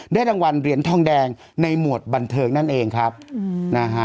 รางวัลเหรียญทองแดงในหมวดบันเทิงนั่นเองครับนะฮะ